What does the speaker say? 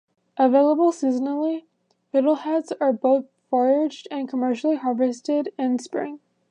Available seasonally, fiddleheads are both foraged and commercially harvested in spring.